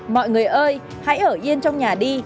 mọi người ơi hãy ở yên trong nhà đi